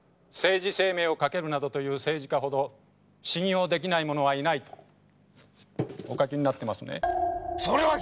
「政治生命を賭ける」などという政治家ほど信用できないものはいないとお書きになってますね。